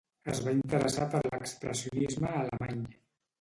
Es va interessar per l'expressionisme alemany.